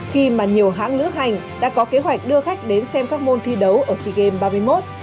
khi mà nhiều hãng lữ hành đã có kế hoạch đưa khách đến xem các môn thi đấu ở sea games ba mươi một